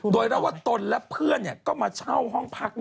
โดยเล่าว่าตนและเพื่อนก็มาเช่าห้องพัก